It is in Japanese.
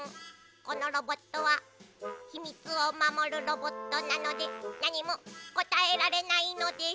このロボットはひみつをまもるロボットなのでなにもこたえられないのです。